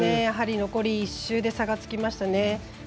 やはり残り１周で差がつきましたね。